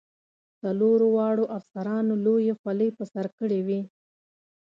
څلورو واړو افسرانو لویې خولۍ په سر کړې وې.